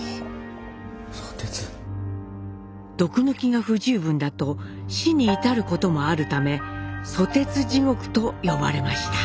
毒抜きが不十分だと死に至ることもあるため「ソテツ地獄」と呼ばれました。